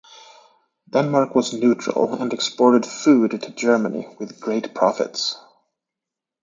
Denmark was neutral and exported food to Germany with great profits.